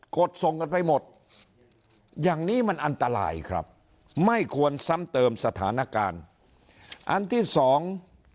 ดส่งกันไปหมดอย่างนี้มันอันตรายครับไม่ควรซ้ำเติมสถานการณ์อันที่สอง